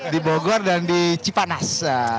di bogor dan di cipanas